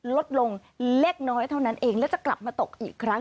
ลดลงเล็กน้อยเท่านั้นเองและจะกลับมาตกอีกครั้ง